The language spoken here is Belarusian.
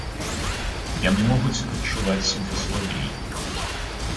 Яны могуць адчуваць сябе слабей.